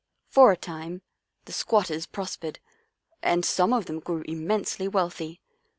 For a time the squat ters prospered and some of them grew im mensely wealthy.